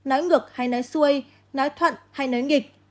nói ngược hay nói xuôi nói thuận hay nói nghịch